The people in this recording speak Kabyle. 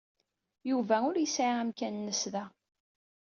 Yuba ur yesɛi amkan-nnes da.